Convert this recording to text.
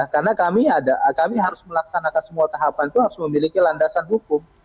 karena kami ada kami harus melaksanakan semua tahapan itu harus memiliki landasan hukum